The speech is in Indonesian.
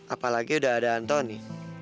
apalagi udah ada antoni